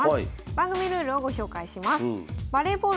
番組ルールをご紹介します。